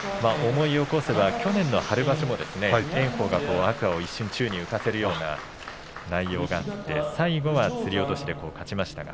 思い起こせば去年の春場所も炎鵬が天空海を一瞬宙に浮かせるような内容で最後は突き落としで勝ちました。